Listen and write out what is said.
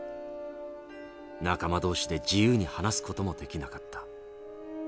仲間同士で自由に話す事もできなかった。